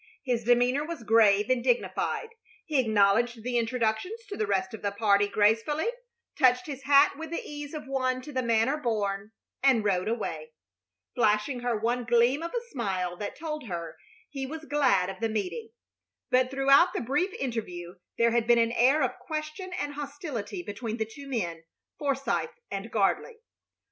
His demeanor was grave and dignified. He acknowledged the introductions to the rest of the party gracefully, touched his hat with the ease of one to the manner born, and rode away, flashing her one gleam of a smile that told her he was glad of the meeting; but throughout the brief interview there had been an air of question and hostility between the two men, Forsythe and Gardley.